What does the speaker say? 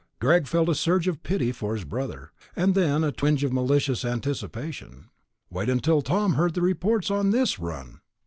Greg felt a surge of pity for his brother, and then a twinge of malicious anticipation. Wait until Tom heard the reports on this run!